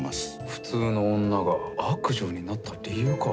普通の女が悪女になった理由か。